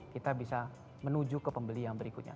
kita bisa menuju ke pembelian berikutnya